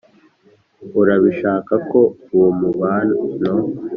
urabishaka ko uwo mubano